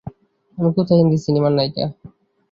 আমি কোথায় হিন্দি সিনেমার নায়িকা?